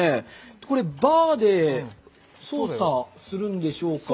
これ、バーで操作するんでしょうか？